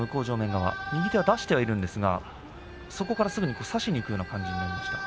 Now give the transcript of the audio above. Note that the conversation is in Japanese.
右手は出してはあるんですがそこからすぐ差しにいくような感じがありました。